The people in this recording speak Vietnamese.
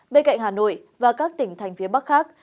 bên cạnh hà nội và các tỉnh thành phía bắc khác